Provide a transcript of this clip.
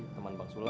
teman bang sulam